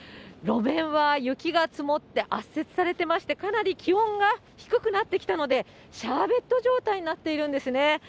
路面は雪が積もって、圧雪されてまして、かなり気温が低くなってきたので、シャーベット状態になっているんですね。